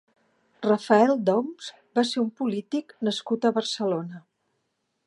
Rafael d'Oms va ser un polític nascut a Barcelona.